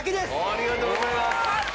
ありがとうございます！